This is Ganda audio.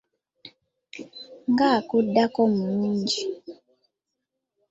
Nga akuddako mulungi.